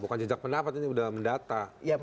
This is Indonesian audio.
bukan jajak pendapat ini udah mendata